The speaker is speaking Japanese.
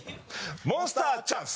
モンスターチャンス。